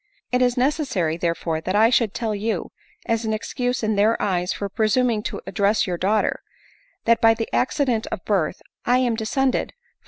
It is necessary, therefore, that I should tell you, as an excuse in their eyes for presuming to address your daughter, that by the accident of birth, I am descended from an j =i«r